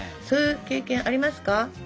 そういう経験ありますか？